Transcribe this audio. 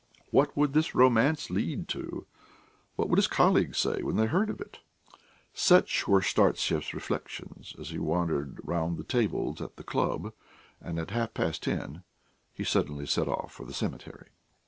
What would this romance lead to? What would his colleagues say when they heard of it? Such were Startsev's reflections as he wandered round the tables at the club, and at half past ten he suddenly set off for the cemetery.